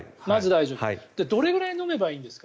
どれくらい飲めばいいんですか？